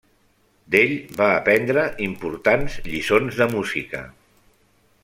D'ell va aprendre importants lliçons de música.